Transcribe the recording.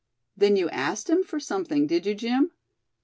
"Then you asked him for something, did you, Jim?"